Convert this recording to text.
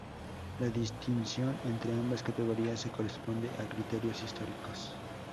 La distinción entre ambas categorías se corresponde a criterios históricos.